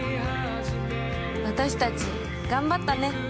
私たち頑張ったね。